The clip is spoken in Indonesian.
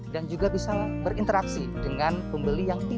dan juga bisa berinteraksi dengan pembeli yang lain